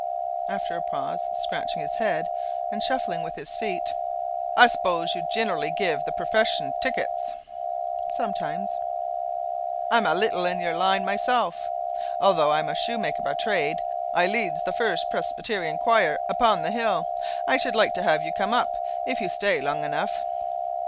After a pause, scratching his head, and shuffling with his feet, "I s'pose you ginnerally give the profession tickets?" "Sometimes." "I'm a leetle in your line myself. Although I'm a shoe maker by trade, I leads the first Presbyterian choir upon the hill. I should like to have you come up, if you stay long enough."